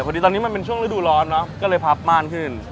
พอดีตอนนี้มันเป็นช่วงฤดูร้อนเนอะก็เลยพับม่านขึ้น